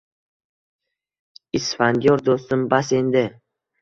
Isfandiyor doʻstim, bas endi